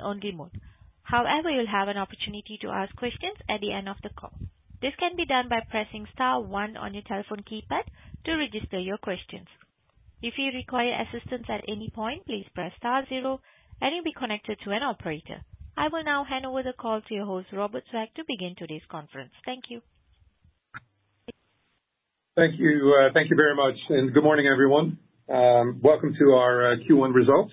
On the mode. However, you'll have an opportunity to ask questions at the end of the call. This can be done by pressing star one on your telephone keypad to register your questions. If you require assistance at any point, please press star zero and you'll be connected to an operator. I will now hand over the call to your host, Robert Swaak, to begin today's conference. Thank you. Thank you very much. Good morning, everyone. Welcome to our Q1 results,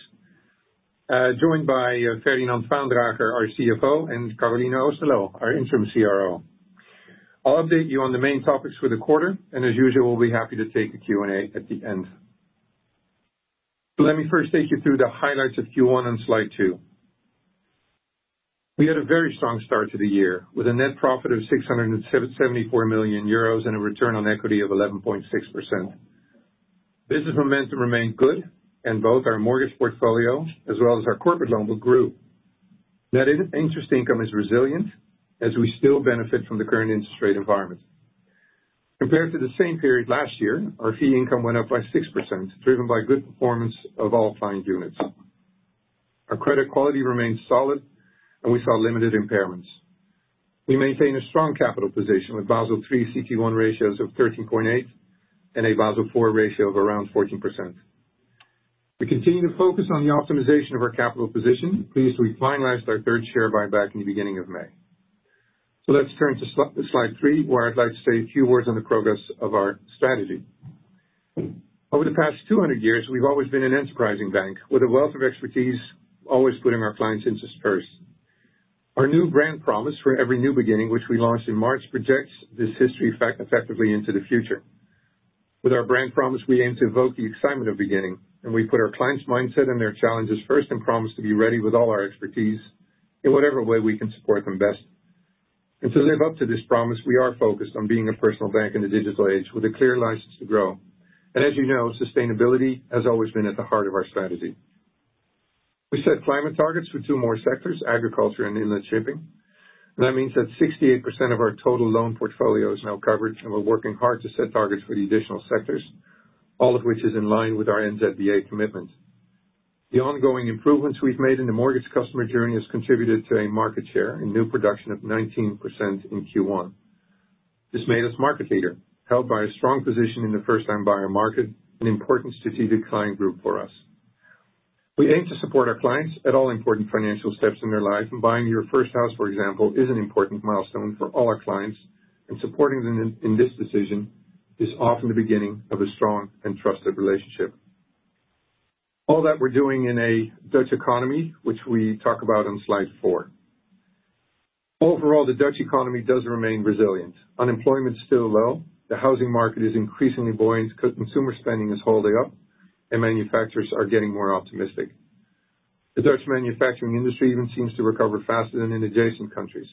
joined by Ferdinand Vaandrager, our CFO, and Caroline Oosterloo, our interim CRO. I'll update you on the main topics for the quarter. As usual, we'll be happy to take a Q&A at the end. Let me first take you through the highlights of Q1 on slide two. We had a very strong start to the year with a net profit of €674 million and a return on equity of 11.6%. Business momentum remained good. Both our mortgage portfolio as well as our corporate loan will grow. Net interest income is resilient as we still benefit from the current interest rate environment. Compared to the same period last year, our fee income went up by 6%, driven by good performance of all client units. Our credit quality remained solid. We saw limited impairments. We maintain a strong capital position with Basel III CET1 ratios of 13.8% and a Basel IV ratio of around 14%. We continue to focus on the optimization of our capital position, pleased to have finalized our third share buyback in the beginning of May. Let's turn to slide 3, where I'd like to say a few words on the progress of our strategy. Over the past 200 years, we've always been an enterprising bank with a wealth of expertise, always putting our clients' interests first. Our new brand promise For every new beginning, which we launched in March, projects this history effectively into the future. With our brand promise, we aim to evoke the excitement of beginning. We put our clients' mindset and their challenges first and promise to be ready with all our expertise in whatever way we can support them best. To live up to this promise, we are focused on being a personal bank in the digital age with a clear license to grow. As you know, sustainability has always been at the heart of our strategy. We set climate targets for two more sectors, agriculture and inland shipping. That means that 68% of our total loan portfolio is now covered. We're working hard to set targets for the additional sectors, all of which is in line with our NZBA commitment. The ongoing improvements we've made in the mortgage customer journey have contributed to a market share and new production of 19% in Q1. This made us market leader, held by a strong position in the first-time buyer market, an important strategic client group for us. We aim to support our clients at all important financial steps in their life. Buying your first house, for example, is an important milestone for all our clients. Supporting them in this decision is often the beginning of a strong and trusted relationship. All that we're doing in a Dutch economy, which we talk about on slide 4. Overall, the Dutch economy does remain resilient. Unemployment is still low. The housing market is increasingly buoyant. Consumer spending is holding up. Manufacturers are getting more optimistic. The Dutch manufacturing industry even seems to recover faster than in adjacent countries.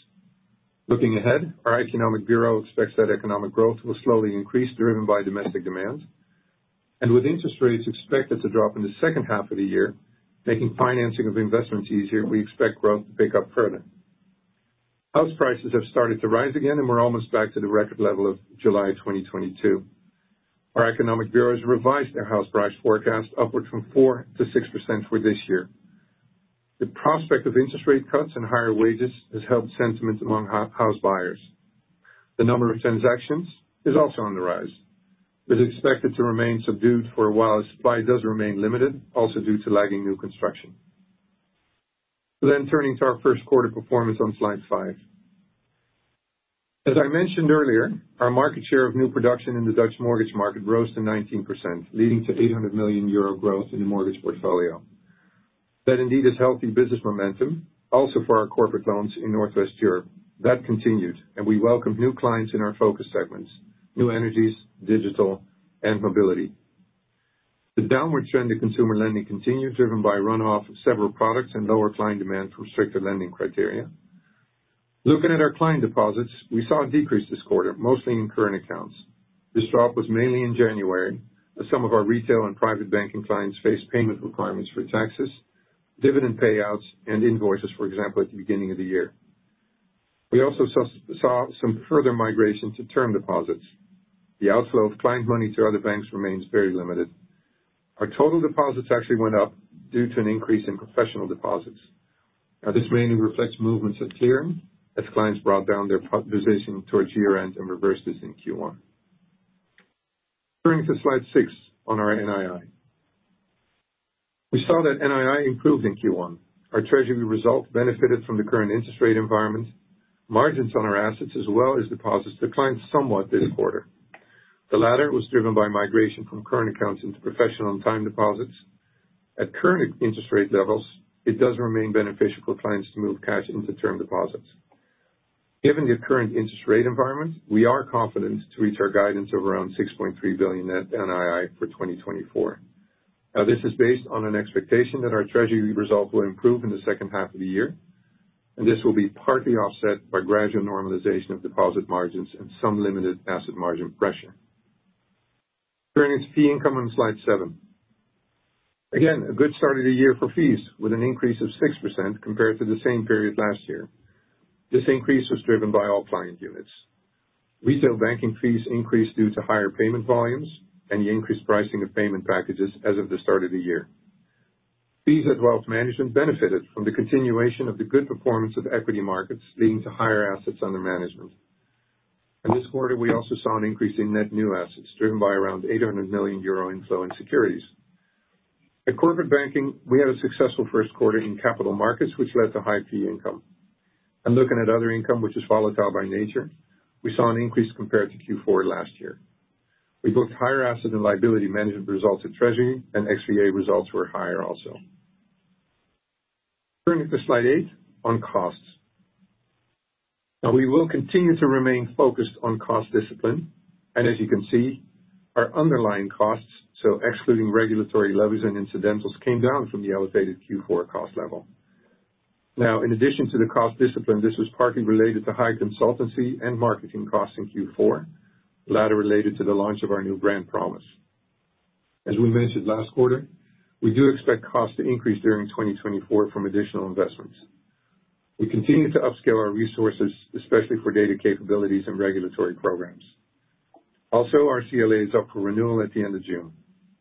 Looking ahead, our economic bureau expects that economic growth will slowly increase, driven by domestic demand. With interest rates expected to drop in the second half of the year, making financing of investments easier, we expect growth to pick up further. House prices have started to rise again. We're almost back to the record level of July 2022. Our economic bureau has revised their house price forecast, upwards from 4%-6% for this year. The prospect of interest rate cuts and higher wages has helped sentiment among house buyers. The number of transactions is also on the rise. It is expected to remain subdued for a while as supply does remain limited, also due to lagging new construction. Turning to our first quarter performance on slide 5. As I mentioned earlier, our market share of new production in the Dutch mortgage market rose to 19%, leading to 800 million euro growth in the mortgage portfolio. That indeed is healthy business momentum, also for our corporate loans in Northwest Europe. That continued. We welcomed new clients in our focus segments, new energies, digital, and mobility. The downward trend in consumer lending continued, driven by runoff of several products and lower client demand from stricter lending criteria. Looking at our client deposits, we saw a decrease this quarter, mostly in current accounts. This drop was mainly in January, as some of our retail and private banking clients faced payment requirements for taxes, dividend payouts, and invoices, for example, at the beginning of the year. We also saw some further migration to term deposits. The outflow of client money to other banks remains very limited. Our total deposits actually went up due to an increase in professional deposits. Now, this mainly reflects movements at clearing as clients brought down their position towards year-end and reversed this in Q1. Turning to slide 6 on our NII. We saw that NII improved in Q1. Our treasury result benefited from the current interest rate environment, margins on our assets, as well as deposits. It declined somewhat this quarter. The latter was driven by migration from current accounts into professional and time deposits. At current interest rate levels, it does remain beneficial for clients to move cash into term deposits. Given the current interest rate environment, we are confident to reach our guidance of around 6.3 billion net NII for 2024. Now, this is based on an expectation that our treasury result will improve in the second half of the year. This will be partly offset by gradual normalization of deposit margins and some limited asset margin pressure. Turning to fee income on slide 7. Again, a good start of the year for fees with an increase of 6% compared to the same period last year. This increase was driven by all client units. Retail banking fees increased due to higher payment volumes and the increased pricing of payment packages as of the start of the year. Fees at wealth management benefited from the continuation of the good performance of equity markets, leading to higher assets under management. This quarter, we also saw an increase in net new assets, driven by around 800 million euro inflow in securities. At corporate banking, we had a successful first quarter in capital markets, which led to high fee income. Looking at other income, which is volatile by nature, we saw an increase compared to Q4 last year. We booked higher asset and liability management results at treasury. XVA results were higher also. Turning to slide 8 on costs. Now, we will continue to remain focused on cost discipline. As you can see, our underlying costs, so excluding regulatory levies and incidentals, came down from the elevated Q4 cost level. Now, in addition to the cost discipline, this was partly related to high consultancy and marketing costs in Q4, latter related to the launch of our new brand promise. As we mentioned last quarter, we do expect costs to increase during 2024 from additional investments. We continue to upscale our resources, especially for data capabilities and regulatory programs. Also, our CLA is up for renewal at the end of June.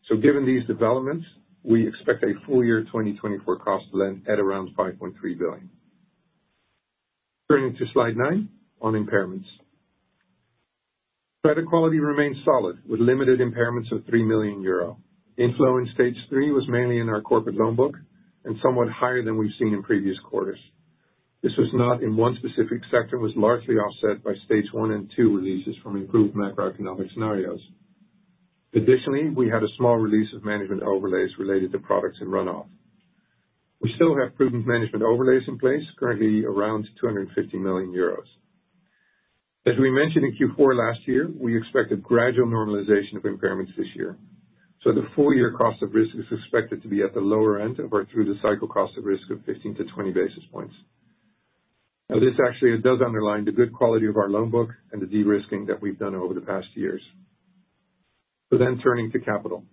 So given these developments, we expect a full-year 2024 cost to lend at around 5.3 billion. Turning to slide 9 on impairments. Credit quality remains solid with limited impairments of 3 million euro. Inflow in stage 3 was mainly in our corporate loan book and somewhat higher than we've seen in previous quarters. This was not in one specific sector and was largely offset by stage 1 and 2 releases from improved macroeconomic scenarios. Additionally, we had a small release of management overlays related to products and runoff. We still have prudent management overlays in place, currently around 250 million euros. As we mentioned in Q4 last year, we expect a gradual normalization of impairments this year. So the full-year cost of risk is expected to be at the lower end of our through-the-cycle cost of risk of 15 to 20 basis points. Now, this actually does underline the good quality of our loan book and the de-risking that we've done over the past years. So then turning to capital.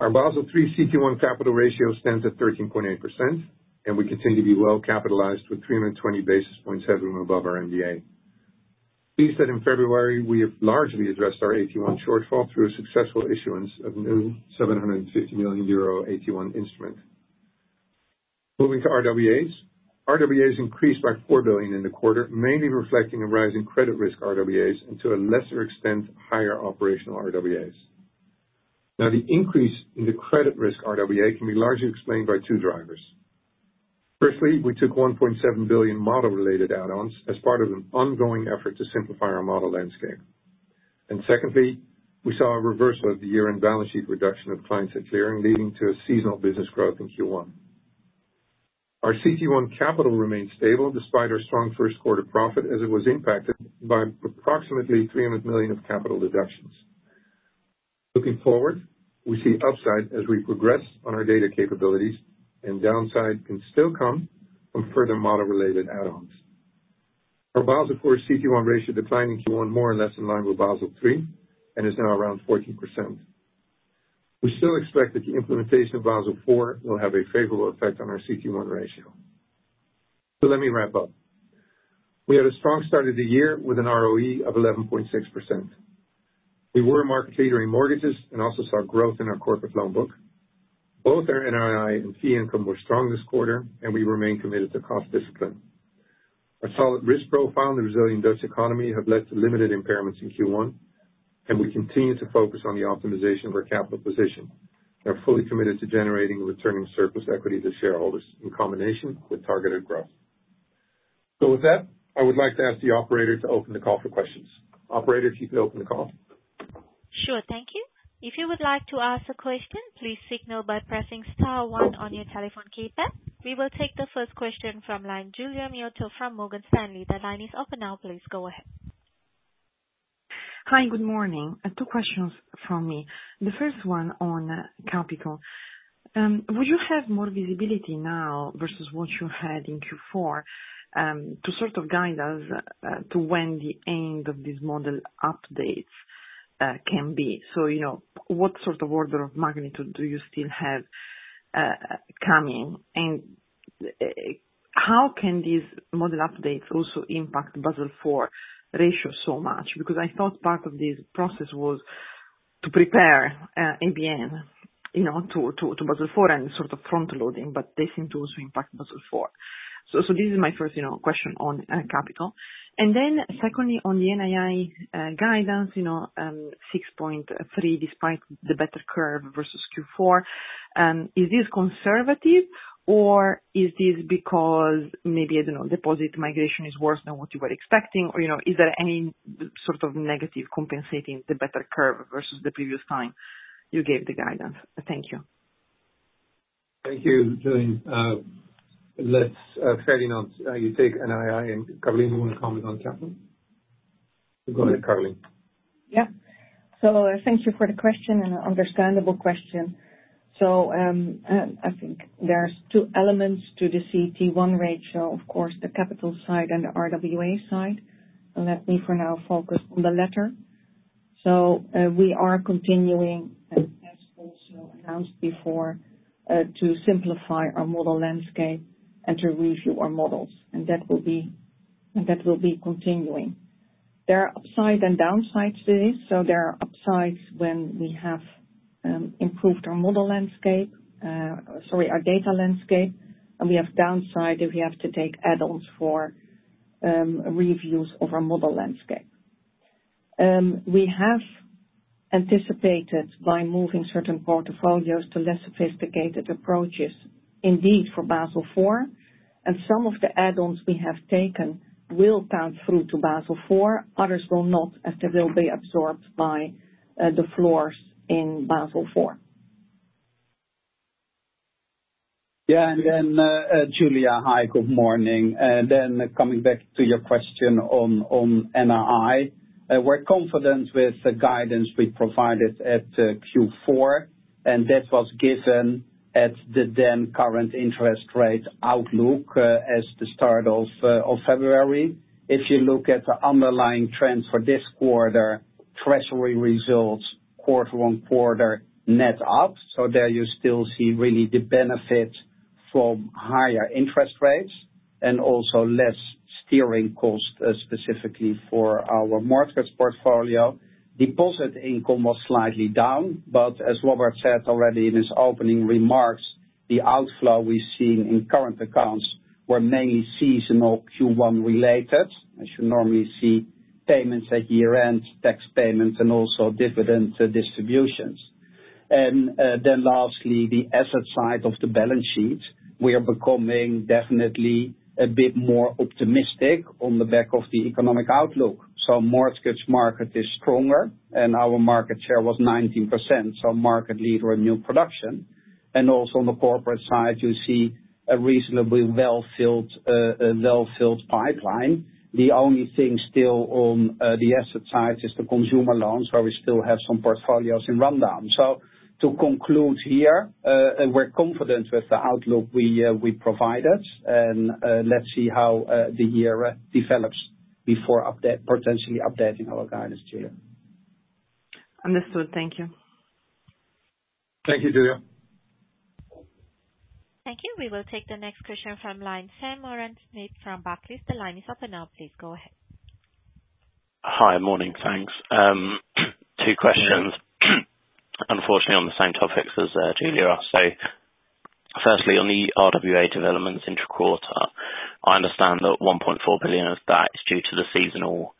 Our Basel III CET1 capital ratio stands at 13.8%. And we continue to be well capitalized with 320 basis points headroom above our MDA. We said in February, we have largely addressed our AT1 shortfall through a successful issuance of new 750 million euro AT1 instrument. Moving to RWAs. RWAs increased by 4 billion in the quarter, mainly reflecting a rise in credit risk RWAs and to a lesser extent, higher operational RWAs. Now, the increase in the credit risk RWA can be largely explained by two drivers. Firstly, we took 1.7 billion model-related add-ons as part of an ongoing effort to simplify our model landscape. And secondly, we saw a reversal of the year-end balance sheet reduction of clients at clearing, leading to a seasonal business growth in Q1. Our CET1 capital remained stable despite our strong first quarter profit, as it was impacted by approximately 300 million of capital deductions. Looking forward, we see upside as we progress on our data capabilities. And downside can still come from further model-related add-ons. Our Basel IV CET1 ratio declined in Q1 more or less in line with Basel III and is now around 14%. We still expect that the implementation of Basel IV will have a favorable effect on our CET1 ratio. So let me wrap up. We had a strong start of the year with an ROE of 11.6%. We were market-leading in mortgages and also saw growth in our corporate loan book. Both our NII and fee income were strong this quarter. We remain committed to cost discipline. A solid risk profile and the resilient Dutch economy have led to limited impairments in Q1. We continue to focus on the optimization of our capital position. We're fully committed to generating and returning surplus equity to shareholders in combination with targeted growth. So with that, I would like to ask the operator to open the call for questions. Operator, if you can open the call. Sure. Thank you. If you would like to ask a question, please signal by pressing star one on your telephone keypad. We will take the first question from line Giulia Miotto from Morgan Stanley. That line is open now. Please go ahead. Hi. Good morning. Two questions from me. The first one on capital. Would you have more visibility now versus what you had in Q4 to sort of guide us to when the end of these model updates can be? So what sort of order of magnitude do you still have coming? And how can these model updates also impact Basel IV ratio so much? Because I thought part of this process was to prepare ABN to Basel IV and sort of front-loading. But they seem to also impact Basel IV. So this is my first question on capital. And then secondly, on the NII guidance, 6.3 despite the better curve versus Q4, is this conservative? Or is this because maybe, I don't know, deposit migration is worse than what you were expecting? Is there any sort of negative compensating the better curve versus the previous time you gave the guidance? Thank you. Thank you, Giulia. Let's turn it over to you to take NII, and Caroline Oosterloo wants to comment on capital. Go ahead, Caroline. Yeah. So thank you for the question. And understandable question. So I think there are two elements to the CET1 ratio, of course, the capital side and the RWA side. And let me for now focus on the latter. So we are continuing, as also announced before, to simplify our model landscape and to review our models. And that will be continuing. There are upside and downsides to this. So there are upsides when we have improved our model landscape—sorry, our data landscape. And we have downside if we have to take add-ons for reviews of our model landscape. We have anticipated by moving certain portfolios to less sophisticated approaches, indeed, for Basel IV. And some of the add-ons we have taken will count through to Basel IV. Others will not, as they will be absorbed by the floors in Basel IV. Yeah. And then Giulia, hi, good morning. And then coming back to your question on NII. We're confident with the guidance we provided at Q4. And that was given at the then-current interest rate outlook as the start of February. If you look at the underlying trends for this quarter, treasury results quarter-over-quarter net up. So there you still see really the benefit from higher interest rates and also less steering cost, specifically for our mortgage portfolio. Deposit income was slightly down. But as Robert said already in his opening remarks, the outflow we've seen in current accounts were mainly seasonal Q1-related, as you normally see payments at year-end, tax payments, and also dividend distributions. And then lastly, the asset side of the balance sheet, we are becoming definitely a bit more optimistic on the back of the economic outlook. So mortgage market is stronger. Our market share was 19%, so market leader in new production. Also on the corporate side, you see a reasonably well-filled pipeline. The only thing still on the asset side is the consumer loans, where we still have some portfolios in rundown. To conclude here, we're confident with the outlook we provided. Let's see how the year develops before potentially updating our guidance, Giulia. Understood. Thank you. Thank you, Giulia. Thank you. We will take the next question from line Sam Moorhead from Barclays. The line is open now. Please go ahead. Hi. Morning. Thanks. Two questions, unfortunately, on the same topics as Julia asked. So firstly, on the RWA developments interquarter, I understand that 1.4 billion of that is due to the seasonal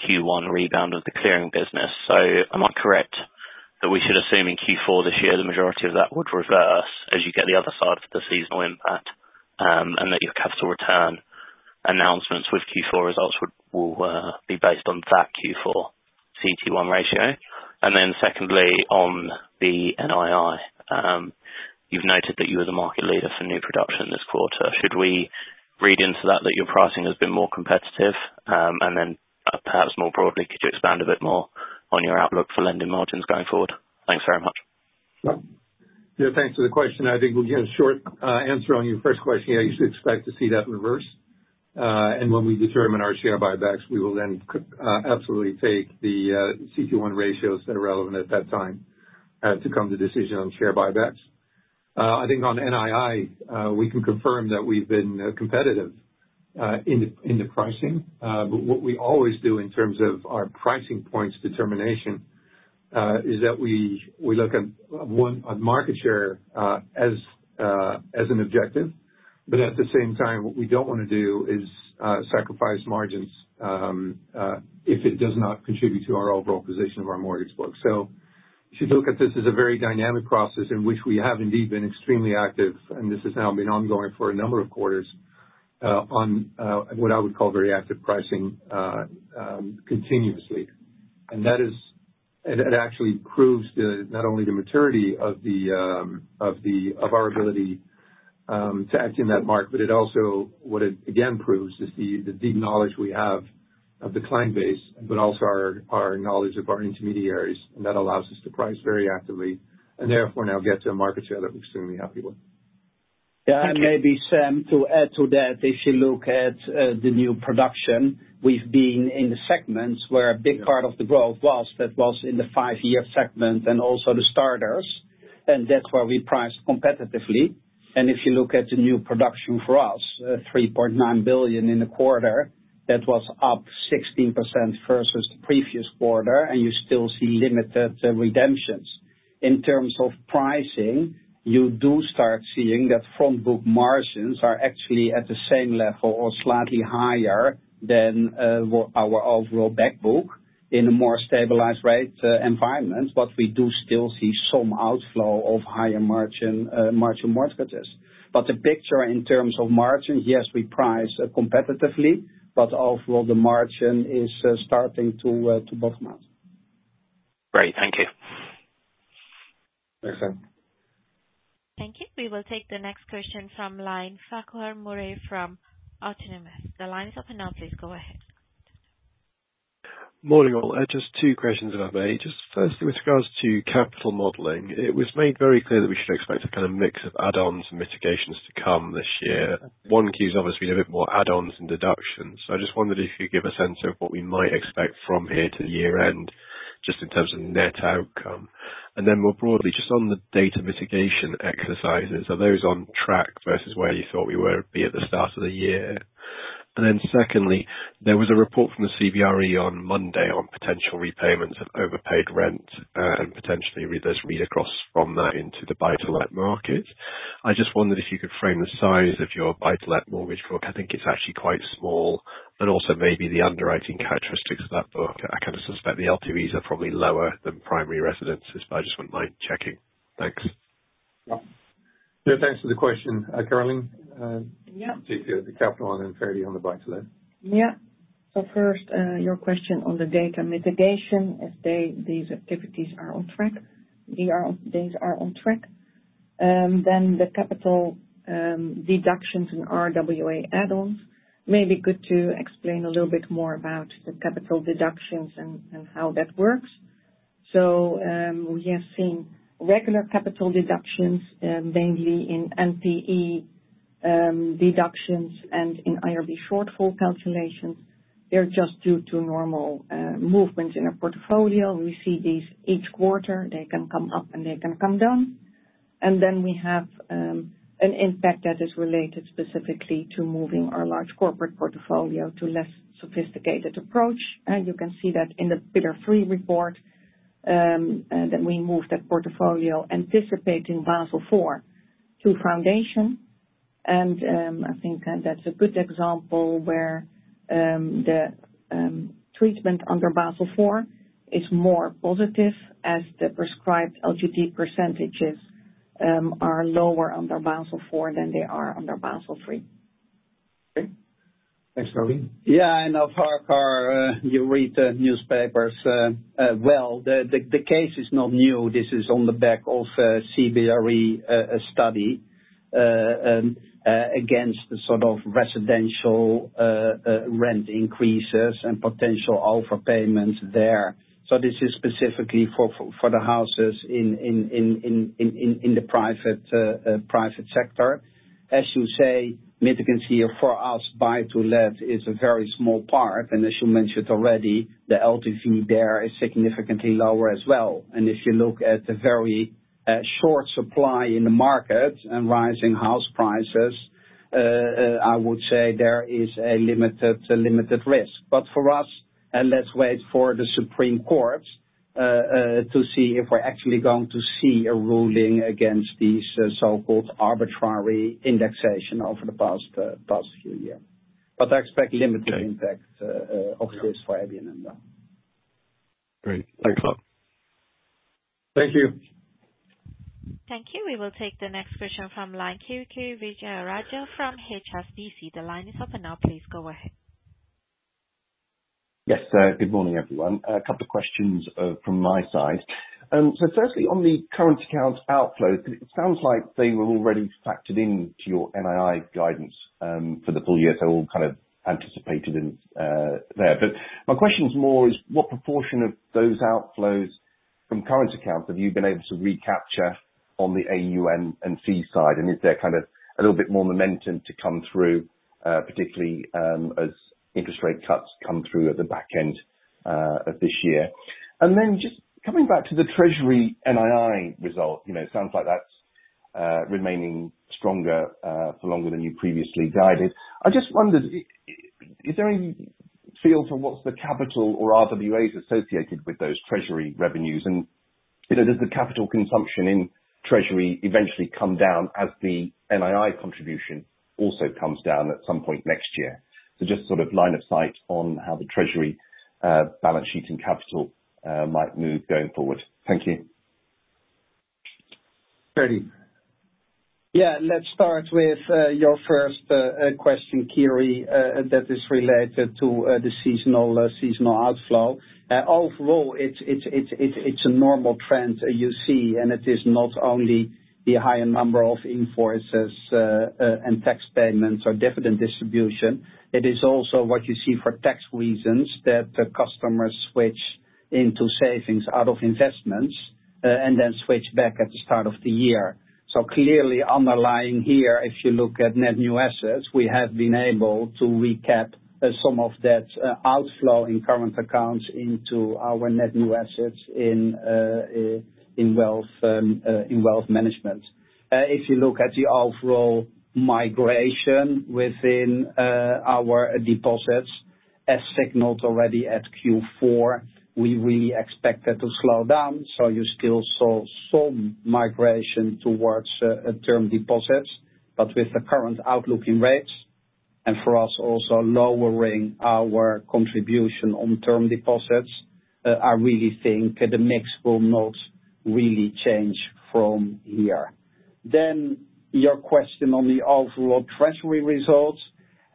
Q1 rebound of the clearing business. So am I correct that we should assume in Q4 this year, the majority of that would reverse as you get the other side of the seasonal impact and that your capital return announcements with Q4 results will be based on that Q4 CET1 ratio? And then secondly, on the NII, you've noted that you were the market leader for new production this quarter. Should we read into that that your pricing has been more competitive? And then perhaps more broadly, could you expand a bit more on your outlook for lending margins going forward? Thanks very much. Yeah. Thanks for the question. I think we'll give a short answer on your first question. Yeah, you should expect to see that reverse. And when we determine our share buybacks, we will then absolutely take the CET1 ratios that are relevant at that time to come to decision on share buybacks. I think on NII, we can confirm that we've been competitive in the pricing. But what we always do in terms of our pricing points determination is that we look at, one, market share as an objective. But at the same time, what we don't want to do is sacrifice margins if it does not contribute to our overall position of our mortgage book. So you should look at this as a very dynamic process in which we have indeed been extremely active. And this has now been ongoing for a number of quarters on what I would call very active pricing continuously. And it actually proves not only the maturity of our ability to act in that market, but it also, what it again proves, is the deep knowledge we have of the client base but also our knowledge of our intermediaries. And that allows us to price very actively. And therefore, now get to a market share that we're extremely happy with. Yeah. And maybe Sam, to add to that, if you look at the new production, we've been in the segments where a big part of the growth was that was in the five-year segment and also the starters. And that's where we priced competitively. And if you look at the new production for us, 3.9 billion in the quarter, that was up 16% versus the previous quarter. And you still see limited redemptions. In terms of pricing, you do start seeing that front-book margins are actually at the same level or slightly higher than our overall backbook in a more stabilized rate environment. But we do still see some outflow of higher margin mortgages. But the picture in terms of margin, yes, we price competitively. But overall, the margin is starting to bottom out. Great. Thank you. Thanks, Sam. Thank you. We will take the next question from Farquhar Murray from Autonomous. The line is open now. Please go ahead. Morning all. Just two questions about that. Firstly, with regards to capital modeling, it was made very clear that we should expect a kind of mix of add-ons and mitigations to come this year. On cue, it's obviously a bit more add-ons and deductions. So I just wondered if you could give a sense of what we might expect from here to the year-end just in terms of net outcome. And then more broadly, just on the data mitigation exercises, are those on track versus where you thought we were to be at the start of the year? And then secondly, there was a report from the CBRE on Monday on potential repayments of overpaid rent. And potentially, there's read-across from that into the buy-to-let market. I just wondered if you could frame the size of your buy-to-let mortgage book. I think it's actually quite small. And also maybe the underwriting characteristics of that book. I kind of suspect the LTVs are probably lower than primary residences. But I just wouldn't mind checking. Thanks. Yeah. Thanks for the question, Caroline. Yeah. Do you see the capital unfairly on the buy-to-let? Yeah. So first, your question on the data mitigation, if these activities are on track, these are on track. Then the capital deductions and RWA add-ons. Maybe good to explain a little bit more about the capital deductions and how that works. So we have seen regular capital deductions, mainly in NPE deductions and in IRB shortfall calculations. They're just due to normal movements in our portfolio. We see these each quarter. They can come up, and they can come down. And then we have an impact that is related specifically to moving our large corporate portfolio to a less sophisticated approach. You can see that in the Pillar 3 report that we moved that portfolio, anticipating Basel IV to foundation. I think that's a good example where the treatment under Basel IV is more positive as the prescribed LGD percentages are lower under Basel IV than they are under Basel III. Okay. Thanks, Caroline. Yeah. And Farquhar, you read the newspapers well. The case is not new. This is on the back of a CBRE study against the sort of residential rent increases and potential overpayments there. So this is specifically for the houses in the private sector. As you say, mitigant here for us, buy-to-let, is a very small part. And as you mentioned already, the LTV there is significantly lower as well. And if you look at the very short supply in the market and rising house prices, I would say there is a limited risk. But for us, let's wait for the Supreme Court to see if we're actually going to see a ruling against these so-called arbitrary indexation over the past few years. But I expect limited impact of this for ABN AMRO. Great. Thanks, Bob. Thank you. Thank you. We will take the next question from line Kiri Vijayarajah, from HSBC. The line is open now. Please go ahead. Yes. Good morning, everyone. A couple of questions from my side. So firstly, on the current account outflows, it sounds like they were already factored into your NII guidance for the full year. So all kind of anticipated there. But my question is more is what proportion of those outflows from current accounts have you been able to recapture on the AUM and fee side? And is there kind of a little bit more momentum to come through, particularly as interest rate cuts come through at the back end of this year? And then just coming back to the treasury NII result, it sounds like that's remaining stronger for longer than you previously guided. I just wondered, is there any feel for what's the capital or RWAs associated with those treasury revenues? Does the capital consumption in treasury eventually come down as the NII contribution also comes down at some point next year? Just sort of line of sight on how the treasury balance sheet and capital might move going forward. Thank you. Freddie. Yeah. Let's start with your first question, Kiri, that is related to the seasonal outflow. Overall, it's a normal trend you see. It is not only the higher number of invoices and tax payments or dividend distribution. It is also what you see for tax reasons that customers switch into savings out of investments and then switch back at the start of the year. So clearly, underlying here, if you look at net new assets, we have been able to recap some of that outflow in current accounts into our net new assets in wealth management. If you look at the overall migration within our deposits, as signaled already at Q4, we really expect that to slow down. So you still saw some migration towards term deposits. But with the current outlook in rates and for us also lowering our contribution on term deposits, I really think the mix will not really change from here. Then your question on the overall treasury results.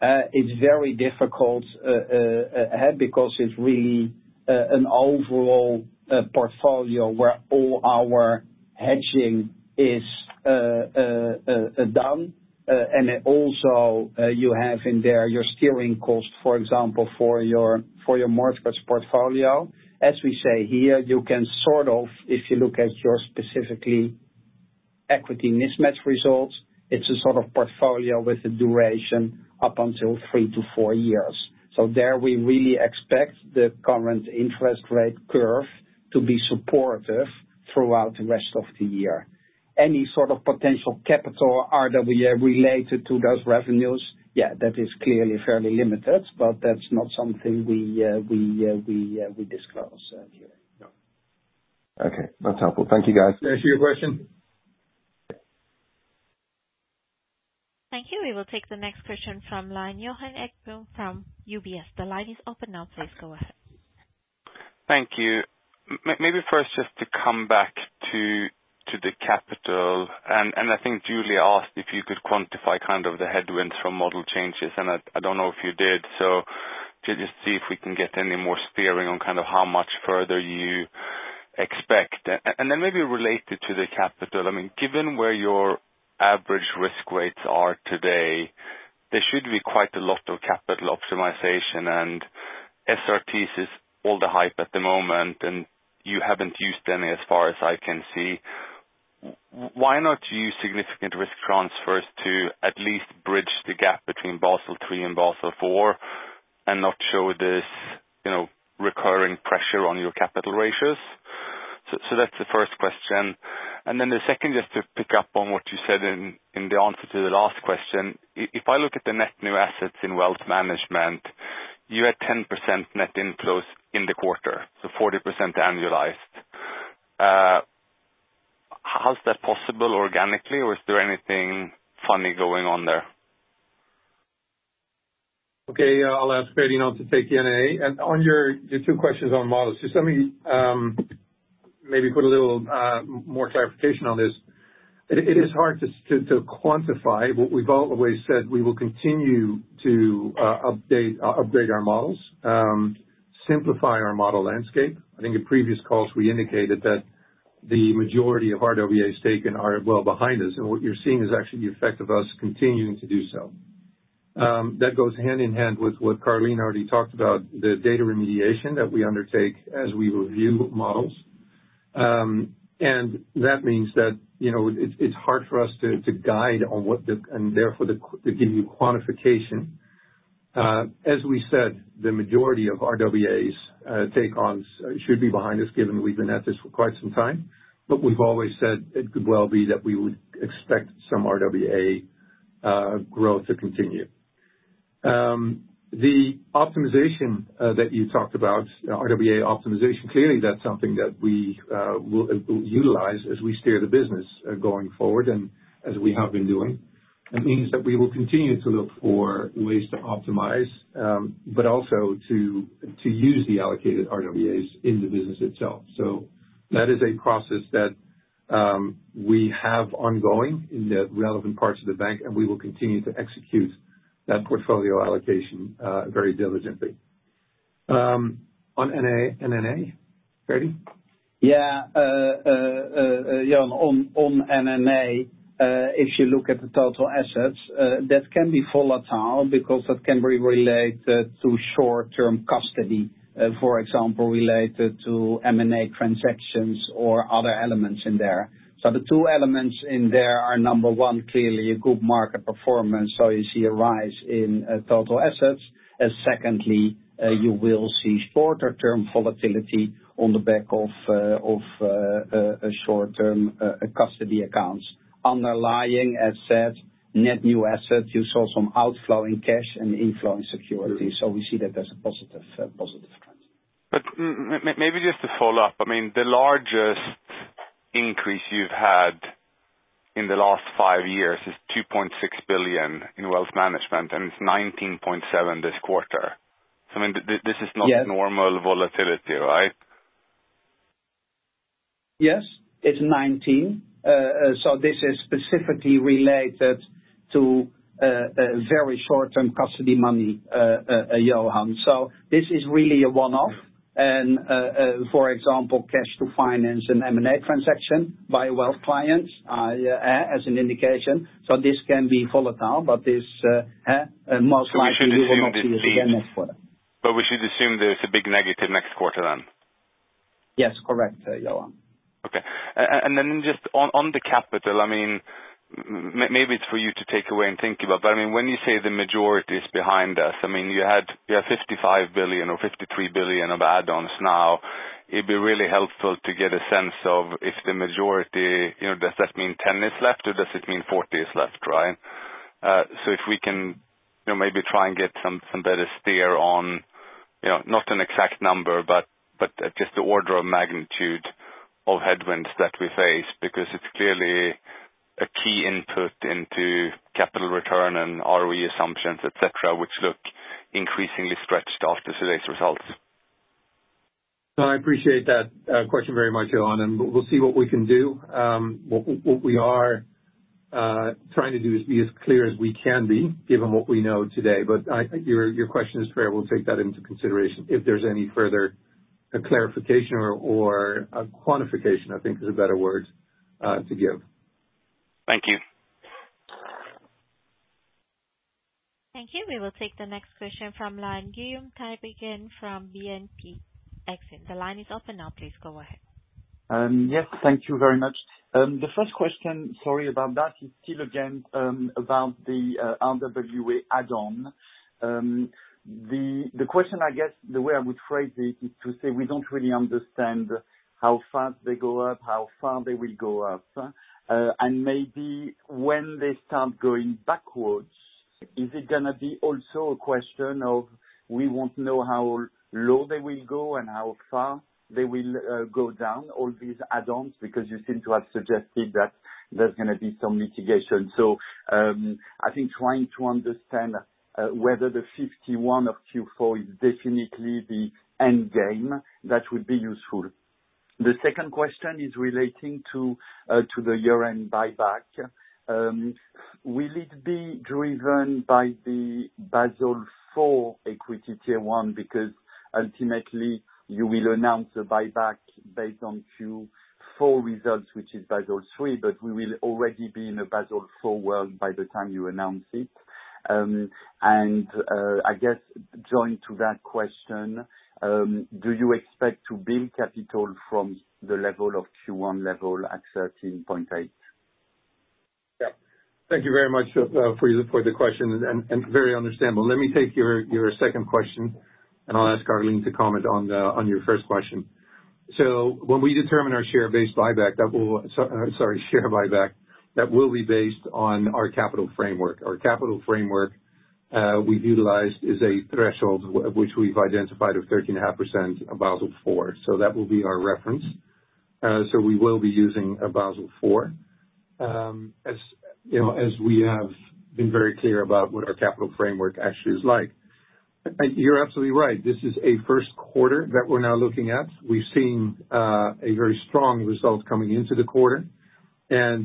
It's very difficult to look ahead because it's really an overall portfolio where all our hedging is done. And also you have in there your steering cost, for example, for your mortgage portfolio. As we say here, you can sort of, if you look at the specific equity mismatch results, it's a sort of portfolio with a duration up until 3-4 years. So there we really expect the current interest rate curve to be supportive throughout the rest of the year. Any sort of potential capital RWA related to those revenues, yeah, that is clearly fairly limited. But that's not something we disclose here. Yeah. Okay. That's helpful. Thank you, guys. Can I ask you a question? Thank you. We will take the next question from line Johan Ekblom from UBS. The line is open now. Please go ahead. Thank you. Maybe first just to come back to the capital. I think Giulia asked if you could quantify kind of the headwinds from model changes. I don't know if you did. Just see if we can get any more steering on kind of how much further you expect. Then maybe related to the capital, I mean, given where your average risk rates are today, there should be quite a lot of capital optimization. SRTs is all the hype at the moment. You haven't used any as far as I can see. Why not use significant risk transfers to at least bridge the gap between Basel III and Basel IV and not show this recurring pressure on your capital ratios? That's the first question. And then the second, just to pick up on what you said in the answer to the last question, if I look at the net new assets in wealth management, you had 10% net inflows in the quarter, so 40% annualized. How's that possible organically? Or is there anything funny going on there? Okay. I'll ask Freddie now to take the NII. And on your two questions on models, just let me maybe put a little more clarification on this. It is hard to quantify. We've always said we will continue to upgrade our models, simplify our model landscape. I think in previous calls, we indicated that the majority of RWAs taken are well behind us. And what you're seeing is actually the effect of us continuing to do so. That goes hand in hand with what Caroline already talked about, the data remediation that we undertake as we review models. And that means that it's hard for us to guide on what and therefore to give you quantification. As we said, the majority of RWAs take-ons should be behind us given we've been at this for quite some time. We've always said it could well be that we would expect some RWA growth to continue. The optimization that you talked about, RWA optimization, clearly, that's something that we will utilize as we steer the business going forward and as we have been doing. It means that we will continue to look for ways to optimize but also to use the allocated RWAs in the business itself. That is a process that we have ongoing in the relevant parts of the bank. We will continue to execute that portfolio allocation very diligently. On NNA, Freddie? Yeah. Yeah. On NNA, if you look at the total assets, that can be volatile because that can be related to short-term custody, for example, related to M&A transactions or other elements in there. So the two elements in there are, number one, clearly, a good market performance. So you see a rise in total assets. And secondly, you will see shorter-term volatility on the back of short-term custody accounts. Underlying asset, net new asset, you saw some outflowing cash and inflowing securities. So we see that as a positive trend. But maybe just to follow up, I mean, the largest increase you've had in the last five years is 2.6 billion in wealth management. And it's 19.7 billion this quarter. So I mean, this is not normal volatility, right? Yes. It's 19. So this is specifically related to very short-term custody money, Johan. So this is really a one-off. And for example, cash to finance an M&A transaction by a wealth client, as an indication. So this can be volatile. But most likely, we will not see it again next quarter. But we should assume there's a big negative next quarter then? Yes. Correct, Johan. Okay. And then just on the capital, I mean, maybe it's for you to take away and think about. But I mean, when you say the majority is behind us, I mean, you have 55 billion or 53 billion of add-ons now. It'd be really helpful to get a sense of if the majority does that mean 10 is left? Or does it mean 40 is left, right? So if we can maybe try and get some better steer on not an exact number but just the order of magnitude of headwinds that we face because it's clearly a key input into capital return and ROE assumptions, etc., which look increasingly stretched after today's results. I appreciate that question very much, Johan. We'll see what we can do. What we are trying to do is be as clear as we can be given what we know today. But your question is fair. We'll take that into consideration if there's any further clarification or quantification, I think, is a better word, to give. Thank you. Thank you. We will take the next question from line Guillaume Tiberghien again from BNP Paribas Exane. The line is open now. Please go ahead. Yes. Thank you very much. The first question, sorry about that, is still, again, about the RWA add-on. The question, I guess, the way I would phrase it is to say we don't really understand how fast they go up, how far they will go up. And maybe when they start going backwards. Is it going to be also a question of we won't know how low they will go and how far they will go down, all these add-ons? Because you seem to have suggested that there's going to be some mitigation. So I think trying to understand whether the 51 of Q4 is definitely the end game, that would be useful. The second question is relating to the year-end buyback. Will it be driven by the Basel IV equity tier one? Because ultimately, you will announce the buyback based on Q4 results, which is Basel III. But we will already be in a Basel IV world by the time you announce it. And I guess, joined to that question, do you expect to build capital from the level of Q1 level at 13.8? Yeah. Thank you very much for the question. Very understandable. Let me take your second question. I'll ask Caroline to comment on your first question. So when we determine our share-based buyback, that will—sorry, share buyback—that will be based on our capital framework. Our capital framework we've utilized is a threshold, which we've identified, of 13.5% Basel IV. So that will be our reference. So we will be using a Basel IV as we have been very clear about what our capital framework actually is like. You're absolutely right. This is a first quarter that we're now looking at. We've seen a very strong result coming into the quarter. As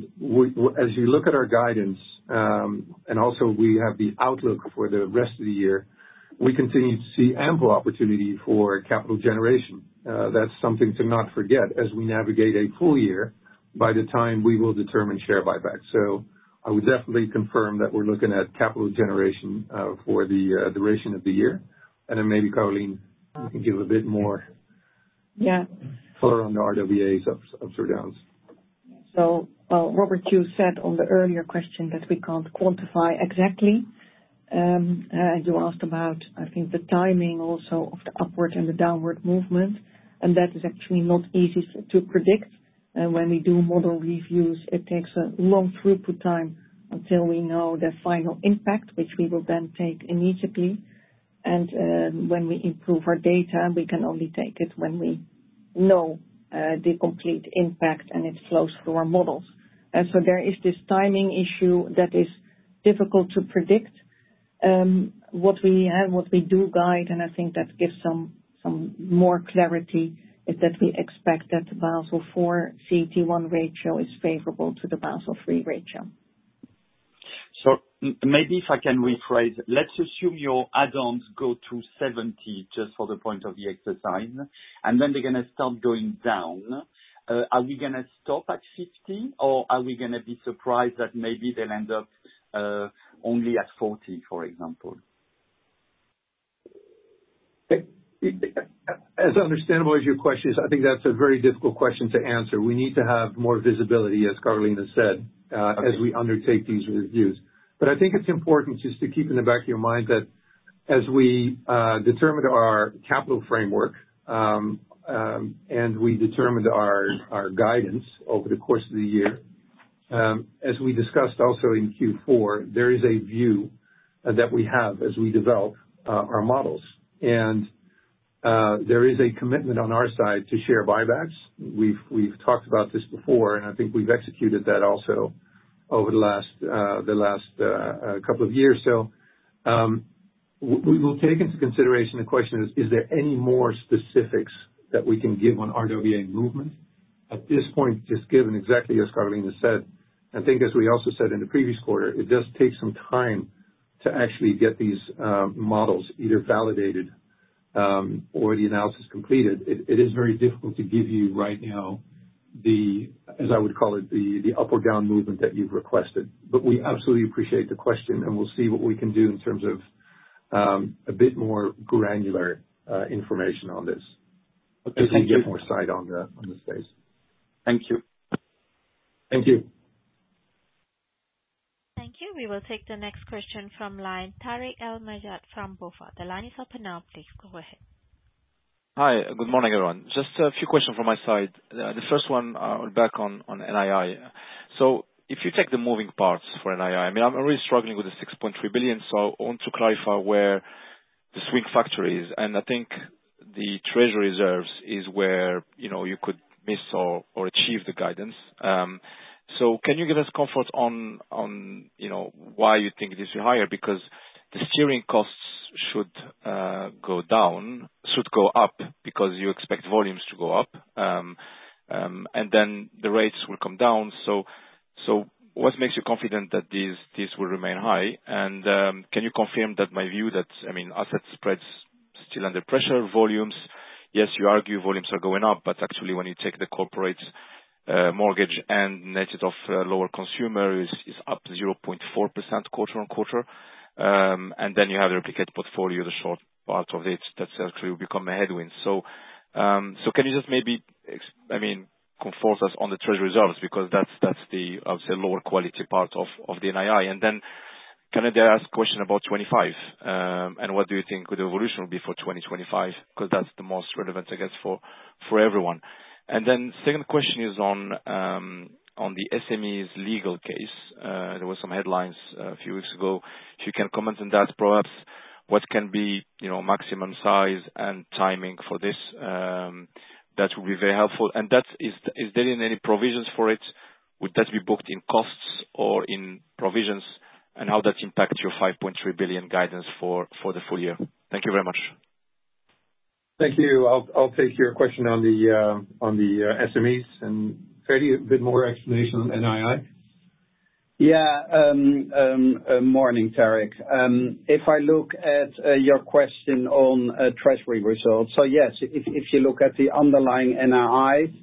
you look at our guidance and also, we have the outlook for the rest of the year, we continue to see ample opportunity for capital generation. That's something to not forget. As we navigate a full year, by the time we will determine share buyback. So I would definitely confirm that we're looking at capital generation for the duration of the year. And then maybe, Caroline, you can give a bit more color on the RWAs ups and downs. Well, Robert, you said on the earlier question that we can't quantify exactly. You asked about, I think, the timing also of the upward and the downward movement. That is actually not easy to predict. When we do model reviews, it takes a long throughput time until we know the final impact, which we will then take immediately. When we improve our data, we can only take it when we know the complete impact. It flows through our models. So there is this timing issue that is difficult to predict. What we do guide, and I think that gives some more clarity, is that we expect that the Basel IV CET1 ratio is favorable to the Basel III ratio. Maybe if I can rephrase, let's assume your add-ons go to 70 just for the point of the exercise. Then they're going to start going down. Are we going to stop at 50? Or are we going to be surprised that maybe they'll end up only at 40, for example? As understandable as your question is, I think that's a very difficult question to answer. We need to have more visibility, as Caroline has said, as we undertake these reviews. But I think it's important just to keep in the back of your mind that as we determine our capital framework and we determine our guidance over the course of the year, as we discussed also in Q4, there is a view that we have as we develop our models. And there is a commitment on our side to share buybacks. We've talked about this before. And I think we've executed that also over the last couple of years. So we will take into consideration the question of is there any more specifics that we can give on RWA movement? At this point, just given exactly as Caroline has said, I think, as we also said in the previous quarter, it does take some time to actually get these models either validated or the analysis completed. It is very difficult to give you right now, as I would call it, the up or down movement that you've requested. But we absolutely appreciate the question. And we'll see what we can do in terms of a bit more granular information on this as we get more sight on the space. Thank you. Thank you. Thank you. We will take the next question from line Tarik El Mejjad from BofA. The line is open now. Please go ahead. Hi. Good morning, everyone. Just a few questions from my side. The first one, I'll be back on NII. So if you take the moving parts for NII, I mean, I'm really struggling with the 6.3 billion. So I want to clarify where the swing factor is. And I think the treasury reserves is where you could miss or achieve the guidance. So can you give us comfort on why you think this will be higher? Because the funding costs should go down should go up because you expect volumes to go up. And then the rates will come down. So what makes you confident that these will remain high? And can you confirm that my view that, I mean, asset spreads still under pressure, volumes yes, you argue volumes are going up. But actually, when you take the corporate mortgage and netted off lower consumer, it's up 0.4% quarter-over-quarter. And then you have the replicated portfolio, the short part of it that actually will become a headwind. So can you just maybe, I mean, comfort us on the treasury reserves? Because that's the, I would say, lower quality part of the NII. And then can I ask a question about 2025? And what do you think the evolution will be for 2025? Because that's the most relevant, I guess, for everyone. And then the second question is on the SME's legal case. There were some headlines a few weeks ago. If you can comment on that, perhaps what can be maximum size and timing for this? That would be very helpful. And is there any provisions for it? Would that be booked in costs or in provisions? How does that impact your 5.3 billion guidance for the full year? Thank you very much. Thank you. I'll take your question on the SMEs and maybe a bit more explanation on NII. Yeah. Morning, Tarik. If I look at your question on treasury results, so yes, if you look at the underlying NII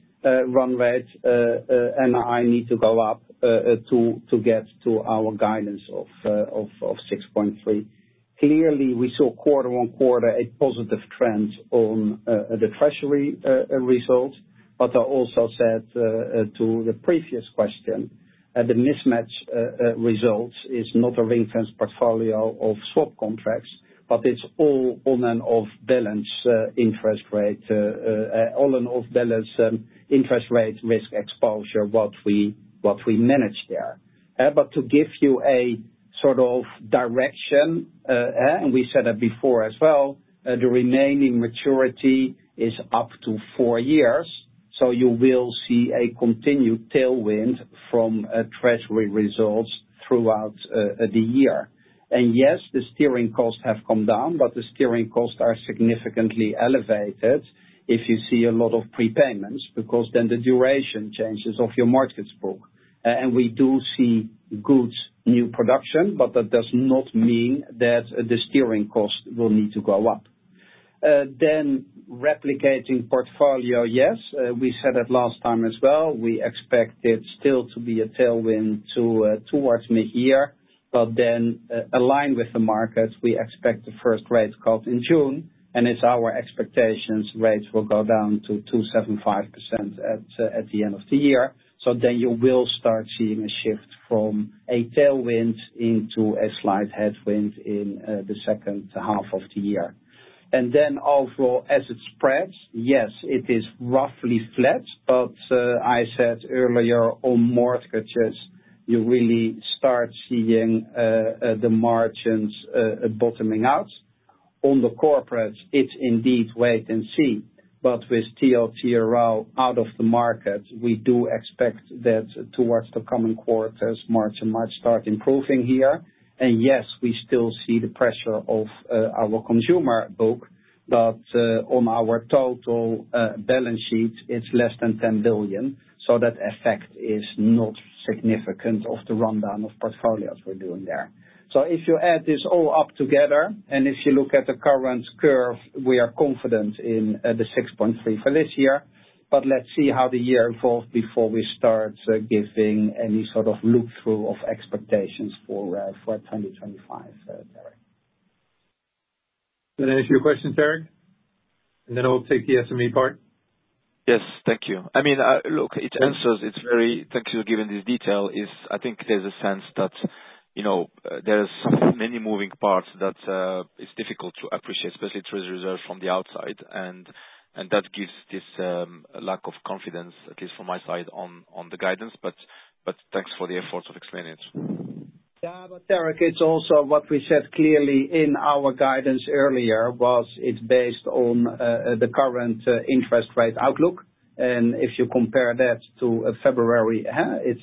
run rate, NII need to go up to get to our guidance of 6.3. Clearly, we saw quarter-on-quarter a positive trend on the treasury results. But I also said to the previous question, the mismatch results is not a ring-fence portfolio of swap contracts. But it's all on and off balance interest rate all on and off balance interest rate risk exposure, what we manage there. But to give you a sort of direction, and we said that before as well, the remaining maturity is up to four years. So you will see a continued tailwind from treasury results throughout the year. And yes, the steering costs have come down. But the steering costs are significantly elevated if you see a lot of prepayments because then the duration changes of your markets book. And we do see good new production. But that does not mean that the steering cost will need to go up. Then replicating portfolio, yes. We said that last time as well. We expect it still to be a tailwind towards mid-year. But then aligned with the markets, we expect the first rate cut in June. And it's our expectations rates will go down to 2.75% at the end of the year. So then you will start seeing a shift from a tailwind into a slight headwind in the second half of the year. And then overall, as it spreads, yes, it is roughly flat. But I said earlier, on mortgages, you really start seeing the margins bottoming out. On the corporates, it's indeed wait and see. With TLTRO out of the market, we do expect that towards the coming quarters, margin might start improving here. Yes, we still see the pressure of our consumer book. But on our total balance sheet, it's less than 10 billion. So that effect is not significant of the rundown of portfolios we're doing there. So if you add this all up together and if you look at the current curve, we are confident in the 6.3 for this year. But let's see how the year evolves before we start giving any sort of look-through of expectations for 2025, Tarik. Did I answer your question, Tarik? Then I'll take the SME part. Yes. Thank you. I mean, look, it answers. Thank you for giving this detail. I think there's a sense that there are many moving parts that it's difficult to appreciate, especially treasury reserves from the outside. And that gives this lack of confidence, at least from my side, on the guidance. But thanks for the efforts of explaining it. Yeah. But Tarik, it's also what we said clearly in our guidance earlier was it's based on the current interest rate outlook. And if you compare that to February,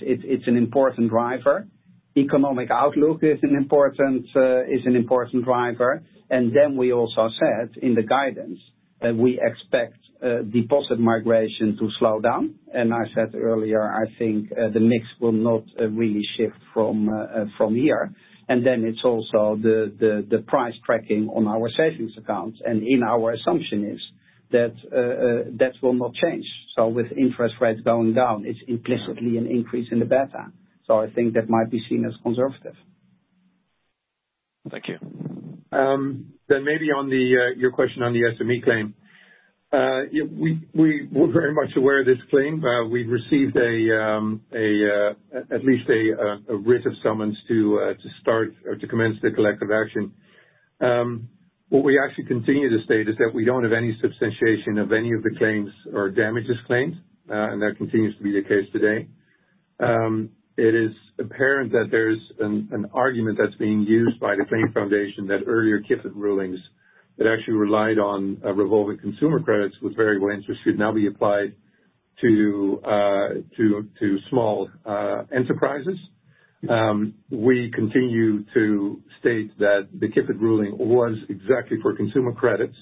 it's an important driver. Economic outlook is an important driver. And then we also said in the guidance that we expect deposit migration to slow down. And I said earlier, I think the mix will not really shift from here. And then it's also the price tracking on our savings accounts. And in our assumption is that that will not change. So with interest rates going down, it's implicitly an increase in the beta. So I think that might be seen as conservative. Thank you. Then maybe on your question on the SME claim. We're very much aware of this claim. We've received at least a writ of summons to start or to commence the collective action. What we actually continue to state is that we don't have any substantiation of any of the claims or damages claimed. And that continues to be the case today. It is apparent that there's an argument that's being used by the claim foundation that earlier Kifid rulings that actually relied on revolving consumer credits with variable interest should now be applied to small enterprises. We continue to state that the Kifid ruling was exactly for consumer credits.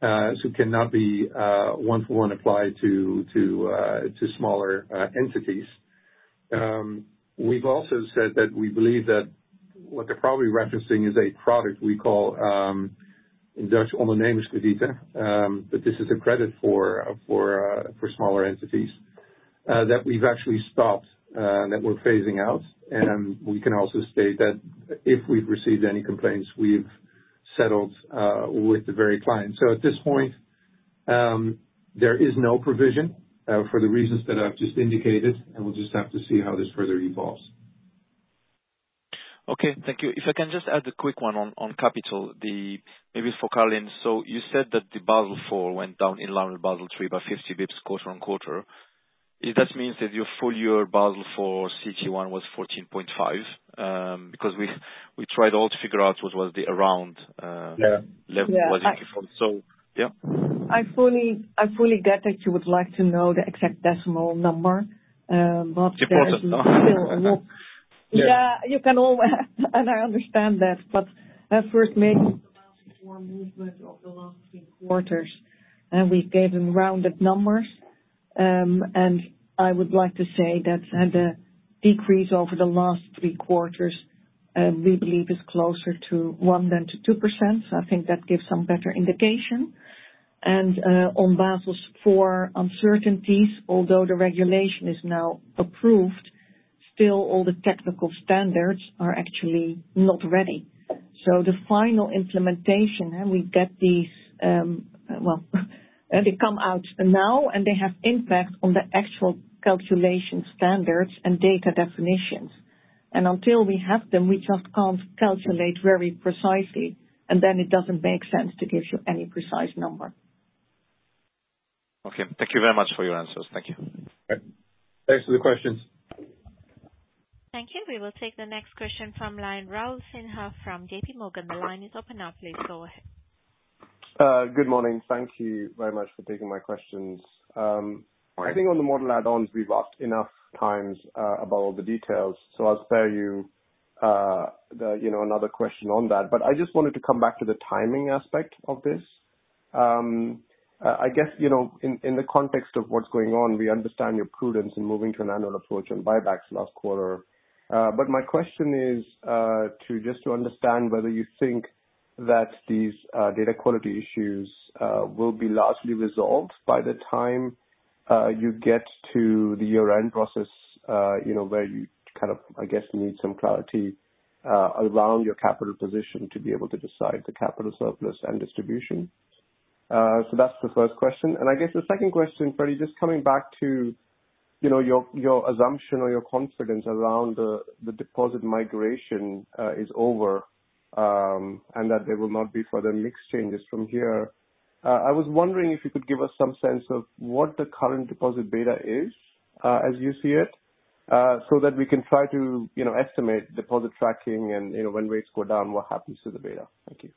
So it cannot be one-for-one applied to smaller entities. We've also said that we believe that what they're probably referencing is a product we call in Dutch, the name is OndernemersKrediet. This is a credit for smaller entities that we've actually stopped and that we're phasing out. We can also state that if we've received any complaints, we've settled with the very client. At this point, there is no provision for the reasons that I've just indicated. We'll just have to see how this further evolves. Okay. Thank you. If I can just add a quick one on capital, maybe for Caroline. So you said that the Basel IV went down in line with Basel III by 50 basis points quarter-over-quarter. Does that mean that your full year Basel IV CET1 was 14.5? Because we tried all to figure out what was the around level it was in before. So yeah. I fully get that you would like to know the exact decimal number. But that is still a little, yeah, you can always and I understand that. But first, maybe the Basel IV movement of the last three quarters. We gave them rounded numbers. I would like to say that the decrease over the last three quarters, we believe, is closer to 1% than to 2%. So I think that gives some better indication. On Basel IV uncertainties, although the regulation is now approved, still all the technical standards are actually not ready. So the final implementation, we get these well, they come out now. They have impact on the actual calculation standards and data definitions. Until we have them, we just can't calculate very precisely. Then it doesn't make sense to give you any precise number. Okay. Thank you very much for your answers. Thank you. Thanks for the questions. Thank you. We will take the next question from line Raul Sinha from J.P. Morgan. The line is open now. Please go ahead. Good morning. Thank you very much for taking my questions. I think on the model add-ons, we've asked enough times about all the details. So I'll spare you another question on that. But I just wanted to come back to the timing aspect of this. I guess in the context of what's going on, we understand your prudence in moving to an annual approach on buybacks last quarter. But my question is just to understand whether you think that these data quality issues will be largely resolved by the time you get to the year-end process where you kind of, I guess, need some clarity around your capital position to be able to decide the capital surplus and distribution. So that's the first question. I guess the second question, Freddie, just coming back to your assumption or your confidence around the deposit migration is over and that there will not be further mixed changes from here. I was wondering if you could give us some sense of what the current deposit beta is as you see it so that we can try to estimate deposit tracking. When rates go down, what happens to the beta? Thank you.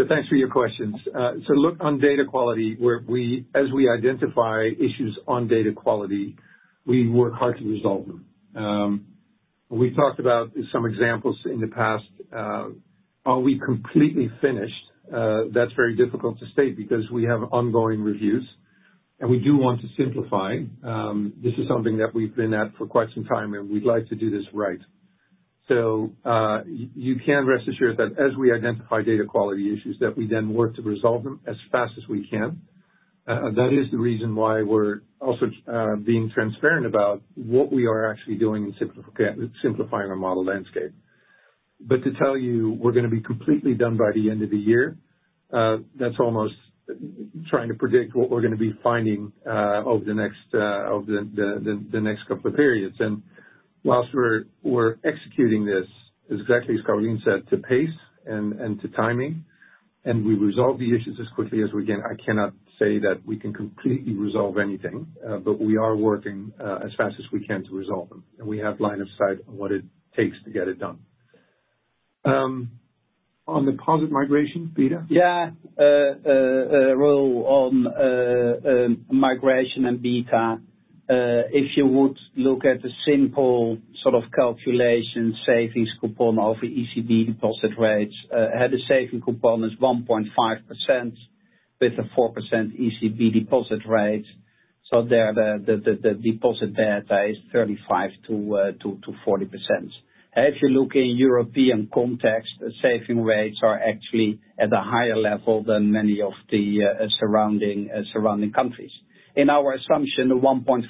So thanks for your questions. So look, on data quality, as we identify issues on data quality, we work hard to resolve them. We've talked about some examples in the past. Are we completely finished? That's very difficult to state because we have ongoing reviews. And we do want to simplify. This is something that we've been at for quite some time. And we'd like to do this right. So you can rest assured that as we identify data quality issues, that we then work to resolve them as fast as we can. That is the reason why we're also being transparent about what we are actually doing in simplifying our model landscape. But to tell you we're going to be completely done by the end of the year, that's almost trying to predict what we're going to be finding over the next couple of periods. While we're executing this, exactly as Caroline said, to pace and to timing, and we resolve the issues as quickly as we can, I cannot say that we can completely resolve anything. But we are working as fast as we can to resolve them. We have line of sight on what it takes to get it done. On deposit migration beta? Yeah. Raul, on migration and beta, if you would look at the simple sort of calculation, savings coupon over ECB deposit rates, had the saving coupon as 1.5% with a 4% ECB deposit rate. So there, the deposit beta is 35%-40%. If you look in European context, saving rates are actually at a higher level than many of the surrounding countries. In our assumption, the 1.5%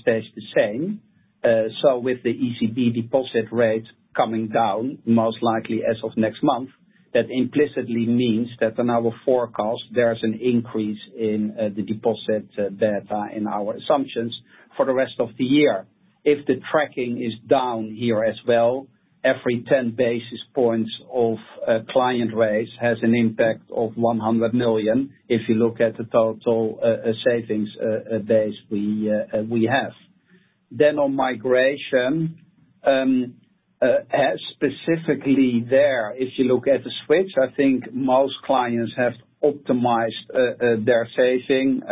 stays the same. So with the ECB deposit rate coming down, most likely as of next month, that implicitly means that in our forecast, there's an increase in the deposit beta in our assumptions for the rest of the year. If the tracking is down here as well, every 10 basis points of client rate has an impact of 100 million if you look at the total savings base we have. Then on migration, specifically there, if you look at the switch, I think most clients have optimized their savings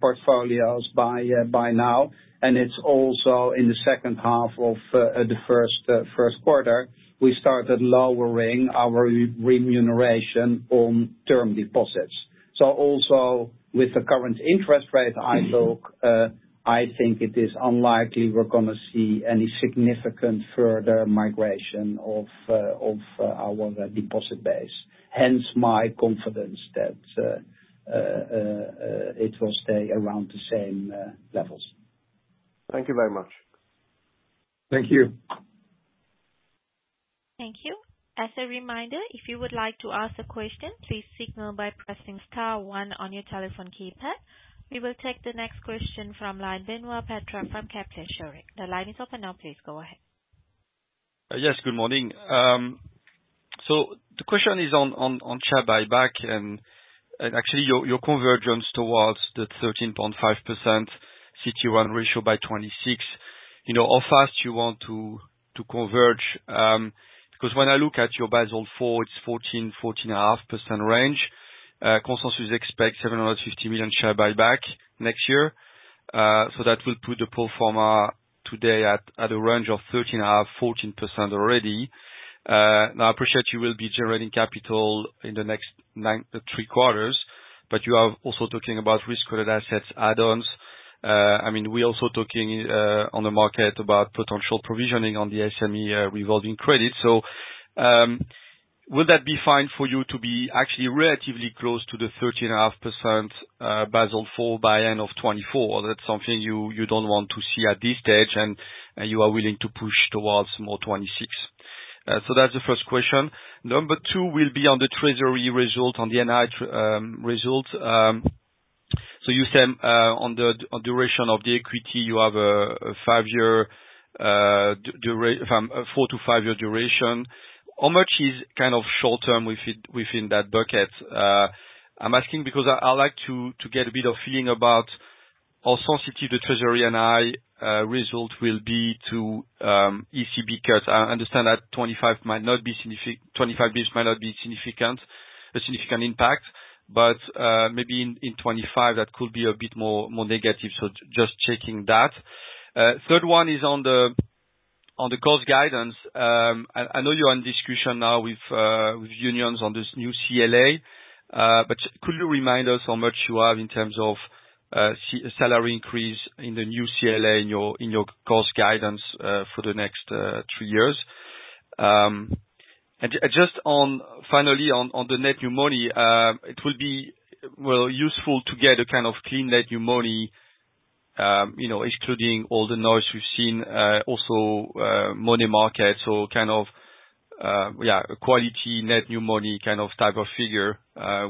portfolios by now. It's also in the second half of the first quarter, we started lowering our remuneration on term deposits. Also with the current interest rate, I think it is unlikely we're going to see any significant further migration of our deposit base. Hence, my confidence that it will stay around the same levels. Thank you very much. Thank you. Thank you. As a reminder, if you would like to ask a question, please signal by pressing star one on your telephone keypad. We will take the next question from line Benoît Petrarque from Kepler Cheuvreux. The line is open now. Please go ahead. Yes. Good morning. So the question is on share buyback and actually your convergence towards the 13.5% CET1 ratio by 2026, how fast you want to converge. Because when I look at your Basel IV, it's 14%-14.5% range. Consensus expects 750 million share buyback next year. So that will put the proforma today at a range of 13.5%-14% already. Now, I appreciate you will be generating capital in the next three quarters. But you are also talking about risk-weighted assets add-ons. I mean, we're also talking on the market about potential provisioning on the SME revolving credit. So will that be fine for you to be actually relatively close to the 13.5% Basel IV by end of 2024? That's something you don't want to see at this stage. And you are willing to push towards more 2026. So that's the first question. Number two will be on the treasury result, on the NII result. So you said on the duration of the equity, you have a five-year four- to five-year duration. How much is kind of short-term within that bucket? I'm asking because I like to get a bit of feeling about how sensitive the treasury NI result will be to ECB cuts. I understand that 25 might not be 25 basis points might not be a significant impact. But maybe in 2025, that could be a bit more negative. So just checking that. Third one is on the cost guidance. I know you're in discussion now with unions on this new CLA. But could you remind us how much you have in terms of salary increase in the new CLA in your cost guidance for the next three years? Just finally, on the net new money, it will be useful to get a kind of clean net new money, excluding all the noise we've seen, also money market. Kind of, yeah, quality net new money kind of type of figure,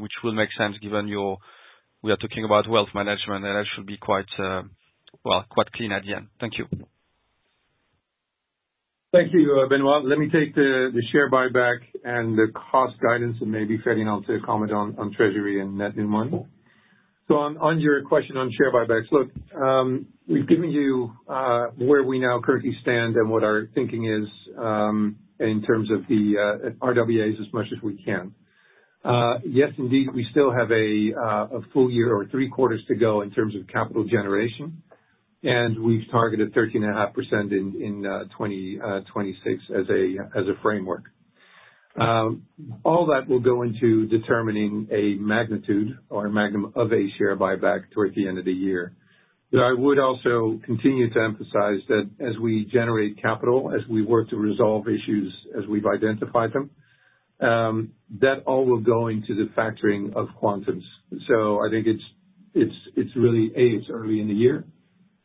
which will make sense given we are talking about wealth management. That should be quite clean at the end. Thank you. Thank you, Benoît. Let me take the share buyback and the cost guidance and maybe Ferdinand to comment on treasury and net new money. So on your question on share buybacks, look, we've given you where we now currently stand and what our thinking is in terms of the RWAs as much as we can. Yes, indeed, we still have a full year or three quarters to go in terms of capital generation. And we've targeted 13.5% in 2026 as a framework. All that will go into determining a magnitude or quantum of a share buyback towards the end of the year. But I would also continue to emphasize that as we generate capital, as we work to resolve issues as we've identified them, that all will go into the factoring of quantums. So I think it's really, A, it's early in the year.